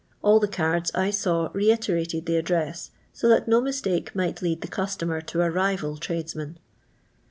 All the cards I saw reiterated the address, so that no mistake might lead the customer to a rival tradesman.